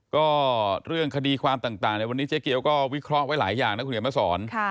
ก็เรื่องคดีความต่างในวันนี้เจ๊เกียวก็วิเคราะห์ไว้หลายอย่างนะคุณเห็นมาสอน